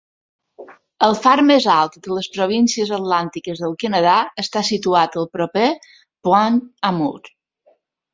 El far més alt de les Províncies Atlàntiques del Canadà està situat al proper Point Amour.